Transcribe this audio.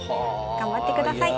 頑張ってください。